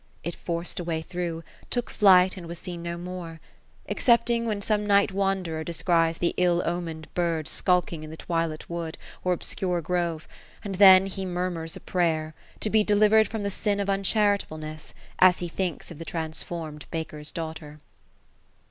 It forced a way through, took flight, and was seen no more ; exccpthi^ when some night wanderer descries the ill omened bird skulking in the twilight wood, or obscure grove ; and then he murmurs a prayer, to be delivered from the sin of uncharitableness, as he thinks of the trans formed baker's daughter.